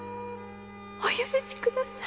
お許しください